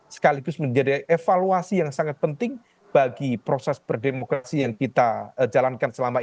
sekaligus menjadi evaluasi yang sangat penting bagi proses berdemokrasi yang kita jalankan selama ini